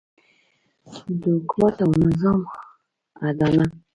د حکومت او نظام اډانه.